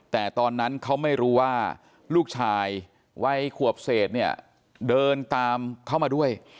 แต่ตอนนั้นเขาไม่รู้ว่าลูกชายวัยขวบเศษเนี่ยเดินตามเข้ามาด้วย